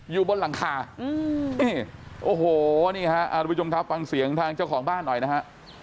อยู่บนหลังคานี่โอ้โหนี่ฮะทุกผู้ชมครับฟังเสียงทางเจ้าของบ้านหน่อยนะฮะ